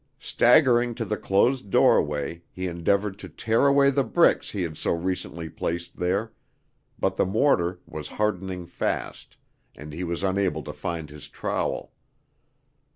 Staggering to the closed doorway, he endeavored to tear away the bricks he had so recently placed there, but the mortar was hardening fast, and he was unable to find his trowel.